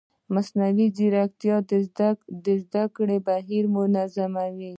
مصنوعي ځیرکتیا د زده کړې بهیر منظموي.